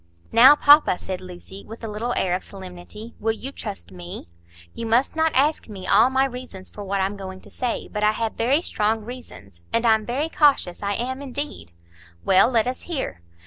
"Now, papa," said Lucy, with a little air of solemnity, "will you trust me? You must not ask me all my reasons for what I'm going to say, but I have very strong reasons. And I'm very cautious; I am, indeed." "Well, let us hear."